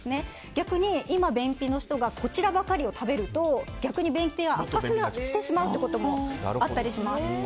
逆に今、便秘の人がこちらばかりを食べると逆に便秘が悪化してしまうということもあったりします。